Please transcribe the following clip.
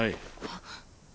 あっ。